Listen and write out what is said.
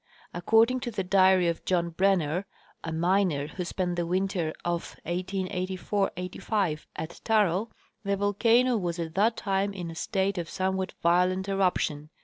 According to the diary of John Brenner,* a miner, who spent the winter of 1884 '85 at Taral, the volcano was at that time in a state of somewhat violent eruption.